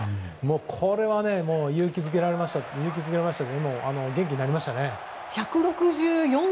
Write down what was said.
これは勇気づけられましたし元気になりましたね。